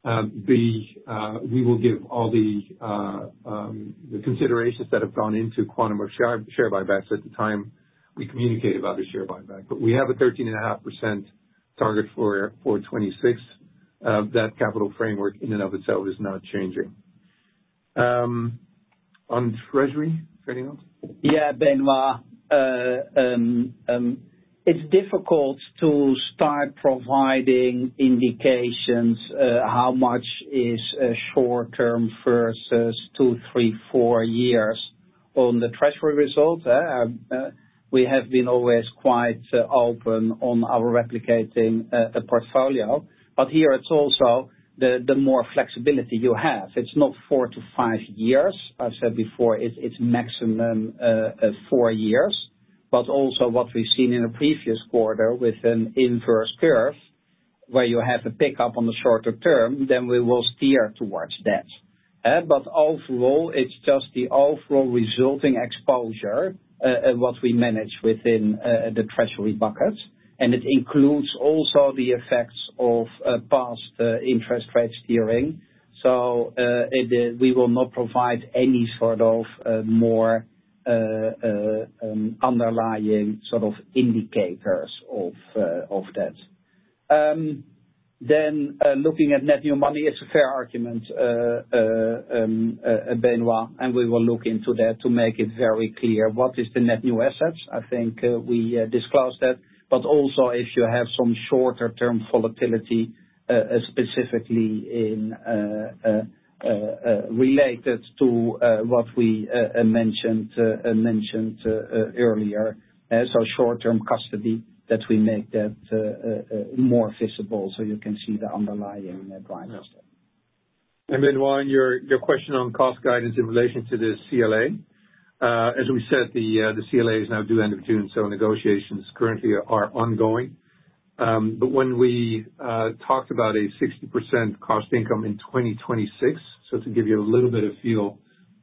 But, we will give all the considerations that have gone into quantum of share buybacks at the time we communicate about a share buyback. But we have a 13.5% target for 2026. That capital framework in and of itself is not changing. On treasury, Ferdinand? Yeah, Benoît. It's difficult to start providing indications how much is short-term versus two, three, four years on the treasury result. We have been always quite open on our replicating portfolio. But here, it's also the more flexibility you have. It's not four to five years. I've said before, it's maximum four years. But also what we've seen in the previous quarter with an inverse curve where you have a pickup on the shorter term, then we will steer towards that. But overall, it's just the overall resulting exposure and what we manage within the treasury bucket. And it includes also the effects of past interest rate steering. So we will not provide any sort of more underlying sort of indicators of that. Then looking at net new money, it's a fair argument, Benoît. And we will look into that to make it very clear. What is the net new assets? I think we disclosed that. But also if you have some shorter-term volatility, specifically related to what we mentioned earlier, so short-term custody, that we make that more visible so you can see the underlying drivers there. Benoît, your question on cost guidance in relation to the CLA. As we said, the CLA is now due end of June. So negotiations currently are ongoing. But when we talked about a 60% cost income in 2026, so to give you a little bit of feel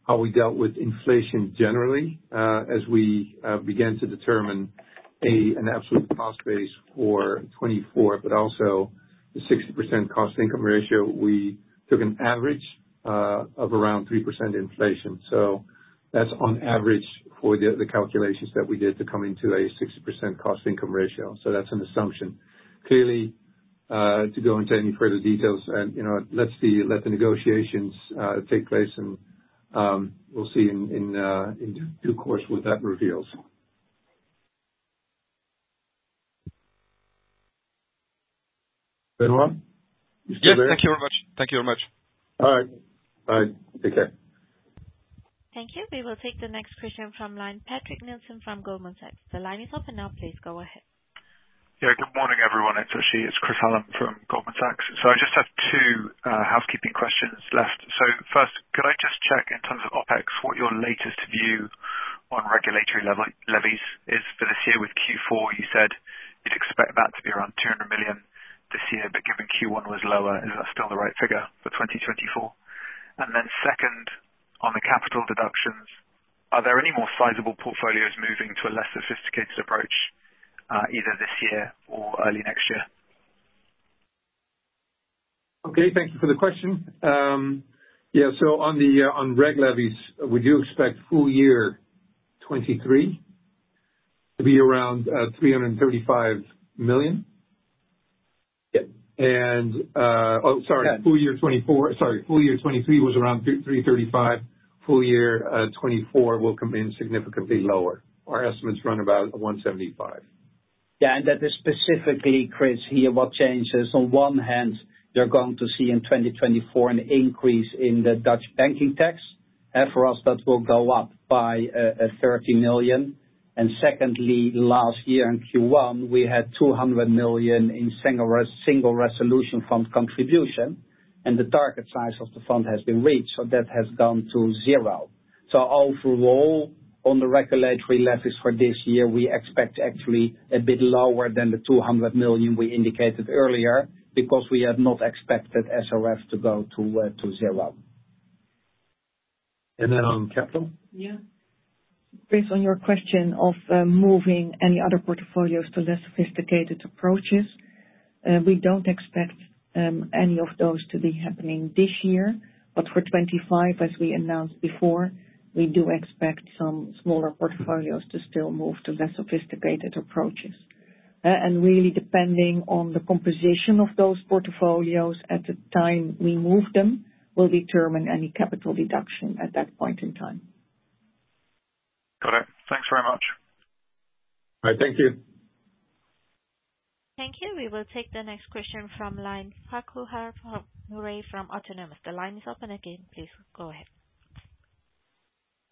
how we dealt with inflation generally as we began to determine an absolute cost base for 2024, but also the 60% cost income ratio, we took an average of around 3% inflation. So that's on average for the calculations that we did to come into a 60% cost income ratio. So that's an assumption. Clearly, to go into any further details, let the negotiations take place. And we'll see in due course what that reveals. Benoît? You still there? Yes. Thank you very much. Thank you very much. All right. All right. Take care. Thank you. We will take the next question from line Patrick Nielsen from Goldman Sachs. The line is open now. Please go ahead. Yeah. Good morning, everyone. It's Chris Hallam from Goldman Sachs. So I just have two housekeeping questions left. So first, could I just check in terms of OpEx, what your latest view on regulatory levies is for this year? With Q4, you said you'd expect that to be around 200 million this year. But given Q1 was lower, is that still the right figure for 2024? And then second, on the capital deductions, are there any more sizable portfolios moving to a less sophisticated approach either this year or early next year? Okay. Thank you for the question. Yeah. So on reg levies, we do expect full year 2023 to be around 335 million. And oh, sorry. Full year 2024 sorry. Full year 2023 was around 335 million. Full year 2024 will come in significantly lower. Our estimates run about 175 million. Yeah. And that is specifically, Chris, here, what changes. On one hand, you're going to see in 2024 an increase in the Dutch banking tax. For us, that will go up by 30 million. And secondly, last year in Q1, we had 200 million in single resolution fund contribution. And the target size of the fund has been reached. So that has gone to zero. So overall, on the regulatory levies for this year, we expect actually a bit lower than the 200 million we indicated earlier because we had not expected SRF to go to zero. On capital? Yeah. Based on your question of moving any other portfolios to less sophisticated approaches, we don't expect any of those to be happening this year. But for 2025, as we announced before, we do expect some smaller portfolios to still move to less sophisticated approaches. And really, depending on the composition of those portfolios at the time we move them will determine any capital deduction at that point in time. Got it. Thanks very much. All right. Thank you. Thank you. We will take the next question from Farquhar Murray from Autonomous Research. The line is open again. Please go ahead.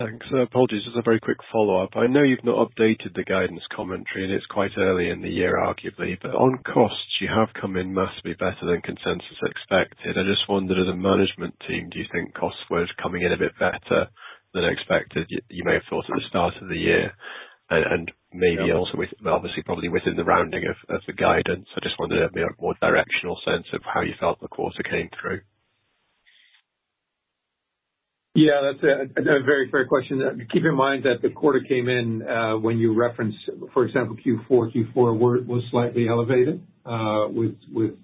Thanks. Apologies. Just a very quick follow-up. I know you've not updated the guidance commentary. It's quite early in the year, arguably. On costs, you have come in massively better than consensus expected. I just wondered, as a management team, do you think costs were coming in a bit better than expected? You may have thought at the start of the year and maybe also obviously, probably within the rounding of the guidance. I just wondered if you had a more directional sense of how you felt the quarter came through. Yeah. That's a very fair question. Keep in mind that the quarter came in when you referenced, for example, Q4. Q4 was slightly elevated with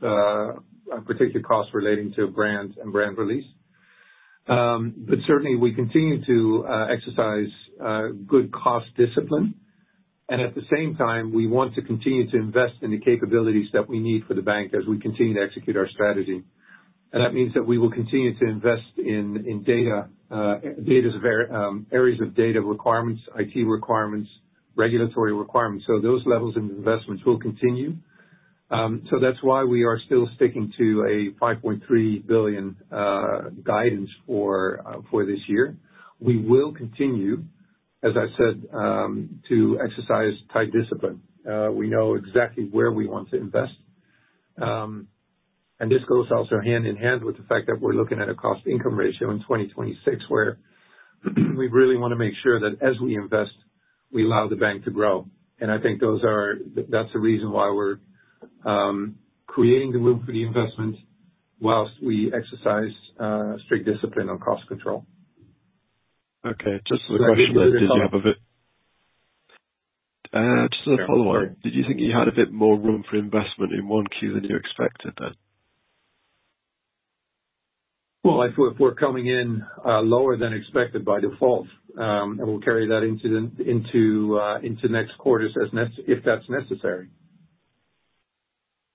particular costs relating to brand and brand release. But certainly, we continue to exercise good cost discipline. And at the same time, we want to continue to invest in the capabilities that we need for the bank as we continue to execute our strategy. And that means that we will continue to invest in areas of data requirements, IT requirements, regulatory requirements. So those levels of investments will continue. So that's why we are still sticking to 5.3 billion guidance for this year. We will continue, as I said, to exercise tight discipline. We know exactly where we want to invest. This goes also hand in hand with the fact that we're looking at a cost income ratio in 2026 where we really want to make sure that as we invest, we allow the bank to grow. I think that's the reason why we're creating the room for the investment whilst we exercise strict discipline on cost control. Okay. Just as a question then, did you have a bit just as a follow-up, did you think you had a bit more room for investment in 1Q than you expected then? Well, if we're coming in lower than expected by default, and we'll carry that into next quarters if that's necessary.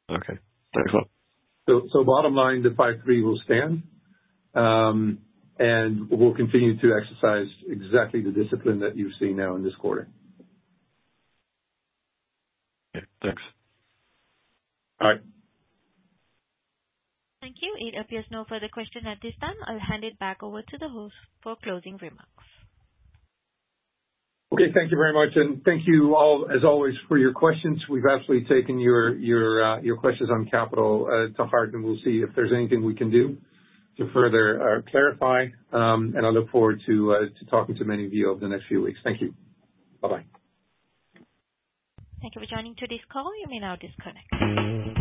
Okay. Thanks a lot. Bottom line, the 5.3 will stand. We'll continue to exercise exactly the discipline that you've seen now in this quarter. Okay. Thanks. All right. Thank you. If there's no further question at this time, I'll hand it back over to the host for closing remarks. Okay. Thank you very much. Thank you, as always, for your questions. We've absolutely taken your questions on capital to heart. We'll see if there's anything we can do to further clarify. I look forward to talking to many of you over the next few weeks. Thank you. Bye-bye. Thank you for joining today's call. You may now disconnect.